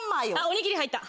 おにぎり入った！